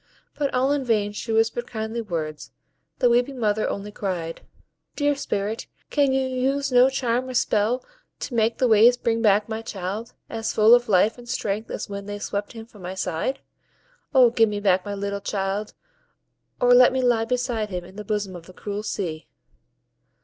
But all in vain she whispered kindly words; the weeping mother only cried,— "Dear Spirit, can you use no charm or spell to make the waves bring back my child, as full of life and strength as when they swept him from my side? O give me back my little child, or let me lie beside him in the bosom of the cruel sea."